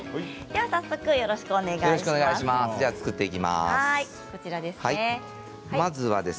早速よろしくお願いします。